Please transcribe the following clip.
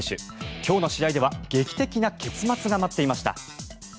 今日の試合では劇的な結末が待っていました。